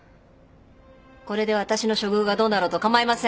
これで私の処遇がどうなろうと構いません。